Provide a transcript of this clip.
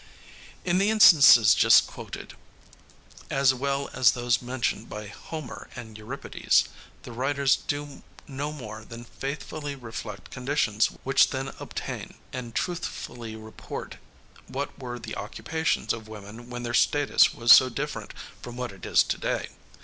" In the instances just quoted, as well as those mentioned by Homer and Euripides, the writers do no more than faithfully reflect conditions which then obtained, and truthfully report what were the occupations of women when their status was so different from what it is to day.